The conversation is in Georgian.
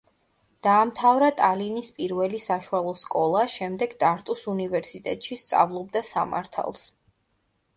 დაამთავრა ტალინის პირველი საშუალო სკოლა, შემდეგ ტარტუს უნივერსიტეტში სწავლობდა სამართალს.